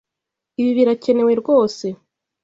Ibi birakenewe rwose?